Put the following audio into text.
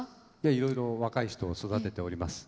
いろいろ若い人を育てております。